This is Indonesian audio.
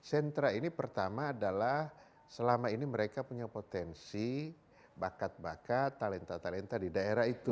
sentra ini pertama adalah selama ini mereka punya potensi bakat bakat talenta talenta di daerah itu